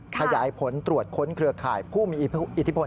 ขยายผลตรวจค้นเครือข่ายผู้มีอิทธิพล